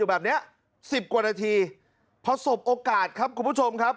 อยู่แบบเนี้ยสิบกว่านาทีเพราะสบโอกาสครับคุณผู้ชมครับ